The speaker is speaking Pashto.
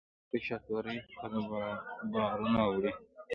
علي په شاتوري خره بارونه وړي.